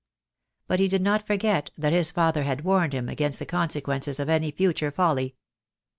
But he did not forget that his father had warned him against the con sequences of any future folly.